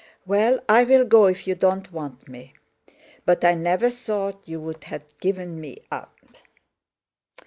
"Well, I'll go, if you don't want me. But I never thought you'd have given me up."